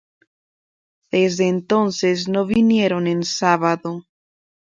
Desde entonces no vinieron en sábado.